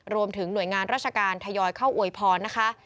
รวมถึงหน่วยงานราชการทยอยเข้าอวยพรนะคะ